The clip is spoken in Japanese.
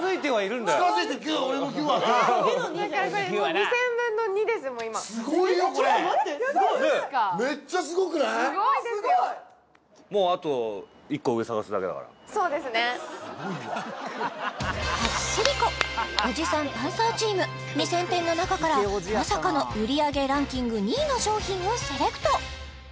おじさんパンサーチーム２０００点の中からまさかの売り上げランキング２位の商品をセレクト！